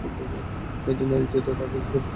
একজন নারীর ইজ্জতই তার কাছে সবকিছু।